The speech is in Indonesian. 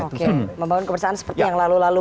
oke membangun kebersamaan seperti yang lalu lalu